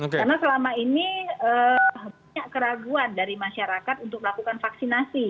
karena selama ini banyak keraguan dari masyarakat untuk melakukan vaksinasi